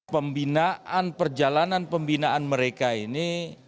pembinaan perjalanan pembinaan mereka ini